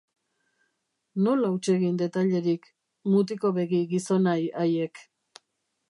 Nola hutsegin detailerik, mutikobegi gizonahi haiek!